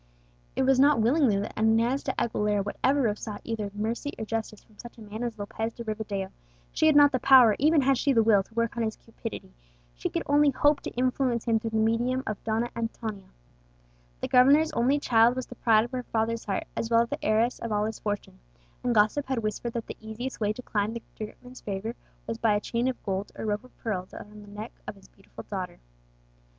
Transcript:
It was not willingly that Inez de Aguilera would ever have sought either mercy or justice from such a man as Lopez de Rivadeo; she had not the power, even had she the will, to work on his cupidity; she could only hope to influence him through the medium of Donna Antonia. The governor's only child was the pride of her father's heart, as well as the heiress of all his fortune; and gossip had whispered that the easiest way to climb to the great man's favour was by a chain of gold or rope of pearl round the neck of his beautiful daughter.